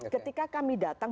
ketika kami datang